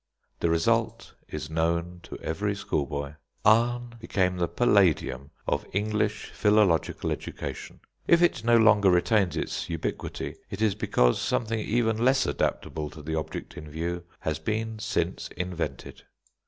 The result is known to every schoolboy. "Ahn" became the palladium of English philological education. If it no longer retains its ubiquity, it is because something even less adaptable to the object in view has been since invented.